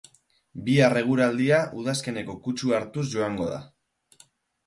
Bihar eguraldia udazkeneko kutsua hartuz joango da.